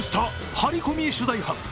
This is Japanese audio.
ハリコミ取材班。